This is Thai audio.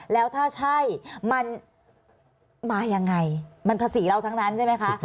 แล้วถ้าใช่มันมายังไงมันภาษีเราทั้งนั้นใช่ไหมคะ